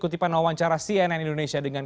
kutipan wawancara cnn indonesia dengan